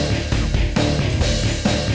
buat bantu gue